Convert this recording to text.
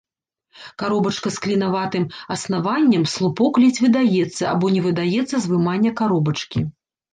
Каробачка з клінаватым аснаваннем, слупок ледзь выдаецца або не выдаецца з вымання каробачкі.